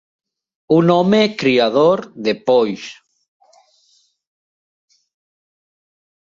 Un home criador de polls.